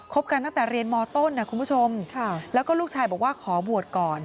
กันตั้งแต่เรียนมต้นนะคุณผู้ชมแล้วก็ลูกชายบอกว่าขอบวชก่อน